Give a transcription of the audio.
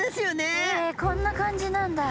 えこんな感じなんだ。